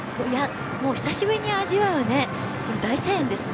久しぶりに味わう大声援ですね。